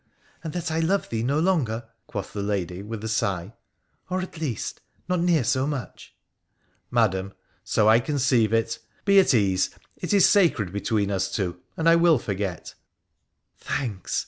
'' And that I love thee no longer,' quoth the lady, with a sigh, ' or, at least, not near so much ?'' Madam, so I conceive it. Be at ease : it is sacred be tween us two, and I will forget.' ' Thanks